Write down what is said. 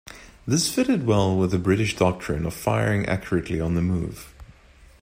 This fitted well with the British doctrine of firing accurately on the move.